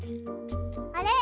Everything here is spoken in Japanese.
あれ？